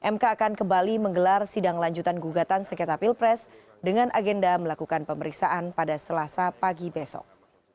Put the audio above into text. mk akan kembali menggelar sidang lanjutan gugatan sekitar pilpres dengan agenda melakukan pemeriksaan pada selasa pagi besok